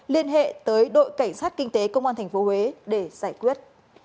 liên hệ tới đội cảnh sát kinh tế công an tp huế để giải quyết